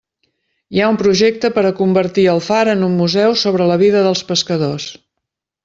Hi ha un projecte per a convertir el far en un museu sobre la vida dels pescadors.